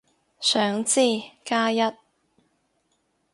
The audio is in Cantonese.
想知，加一